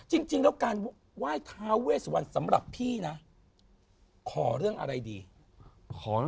จริงจริงแล้วการว้ายทาวเวสุวรรณสำหรับพี่น่ะขอเรื่องอะไรดีขอเรื่องความ